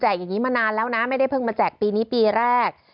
อย่างนี้มานานแล้วนะไม่ได้เพิ่งมาแจกปีนี้ปีแรก